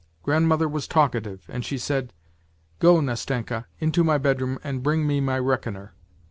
Grandmother was talkative, and she said :' Go, Nastenka, into my bedroom and bring me my reckoner.'